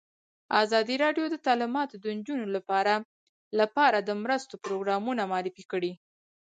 ازادي راډیو د تعلیمات د نجونو لپاره لپاره د مرستو پروګرامونه معرفي کړي.